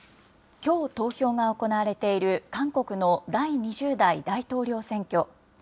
きょう投票が行われている、韓国の第２０代大統領選挙。